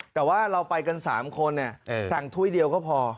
แต่ว่าเราไปกัน๓คนสั่งถ้วยเดียวก็พอ